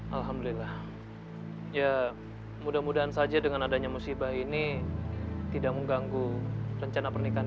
alhamdulillah ya mudah mudahan saja dengan adanya musibah ini tidak mengganggu rencana pernikahan